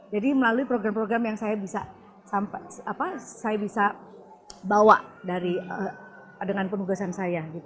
jadi melalui program program yang saya bisa bawa dengan penugasan saya